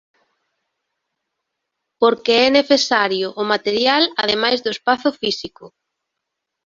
Porque é necesario o material ademais do espazo físico.